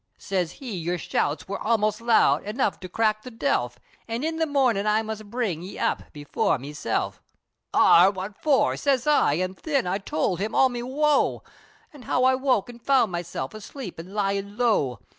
Siz he, "Yer shouts wor almost loud Enough, to crack the delph! An' in the mornin' I must bring Ye up, before himself!" "Arrah! What for?" siz I, an' thin, I towld him all me woe, An' how I woke, an' found meself Asleep, an' lyin' low.